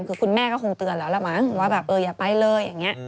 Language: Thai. คือคุณแม่ก็คงเตือนแล้วละว่าอย่าไปเลย